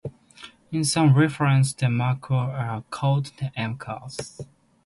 In some references, the "Mackerel"s are called the "M class".